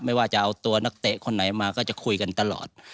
ว่าจะเอาตัวนักเตะคนไหนมาก็จะคุยกันตลอด